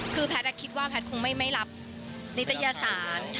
คือแพทย์คิดว่าแพทย์คงไม่รับนิตยสาร